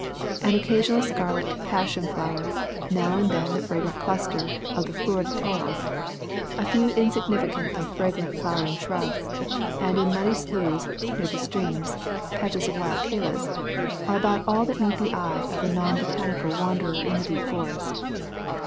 An occasional scarlet passion flower ; now and then the fragrant cluster of the floT del toro ; a few insignificant though fragrant flowering shrubs ; and in muddy sloughs near the streams, patches of wild callas ; are about all that meet the eye of the non botanical wan derer in the deep foi'est.